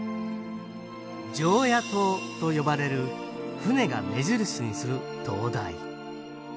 常夜灯と呼ばれる船が目印にする灯台。